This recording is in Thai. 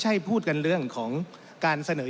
ท่านประธานก็เป็นสอสอมาหลายสมัย